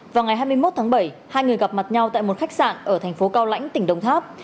vào ngày hai mươi một tháng bảy hai người gặp mặt nhau tại một khách sạn ở thành phố cao lãnh tỉnh đồng tháp